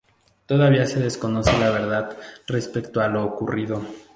Todavía se desconoce la verdad respecto a lo ocurrido.